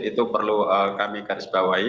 itu perlu kami garisbawahi